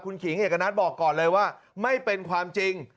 คุณขิงเอกณัฐบอกก่อนเลยว่าไม่เป็นความจริง